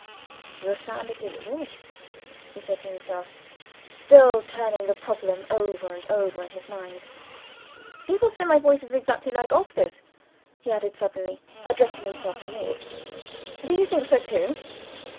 "The sound of his voice!" he said to himself, still turning the problem over and over in his mind. "People say my voice is exactly like Oscar's," he added, suddenly addressing himself to me. "Do you think so too?"